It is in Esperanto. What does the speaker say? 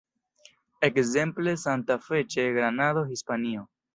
Ekzemple Santa Fe ĉe Granado, Hispanio.